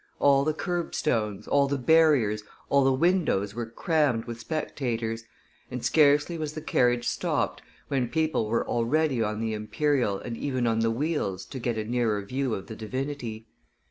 All the curb stones, all the barriers, all the windows were crammed with spectators, and, scarcely was the carriage stopped, when people were already on the imperial and even on the wheels to get a nearer view of the divinity.